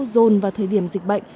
dồn vào thời điểm dịch bệnh